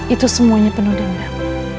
itu semuanya penuh dendam